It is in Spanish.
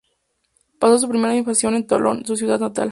Pasó su primera infancia en Tolón, su ciudad natal.